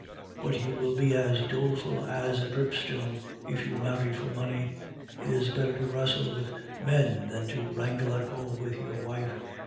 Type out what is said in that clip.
But you will be as doleful as a dripstone if you marry for money. It is better to wrestle with men than to wrangle at home with your wife.